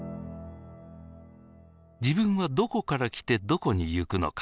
自分はどこから来てどこに行くのか。